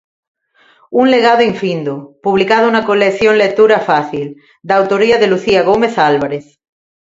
Un legado infindo, publicado na colección Lectura Fácil, da autoría de Lucía Gómez Álvarez.